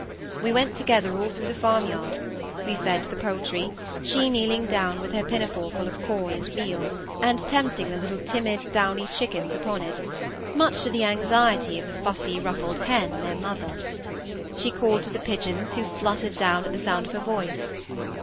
We went together all through the farm yard; we fed the poultry, she kneeling down with her pinafore full of corn and meal, and tempting the little timid, downy chickens upon it, much to the anxiety of the fussy ruffled hen, their mother. She called to the pigeons, who fluttered down at the sound of her voice.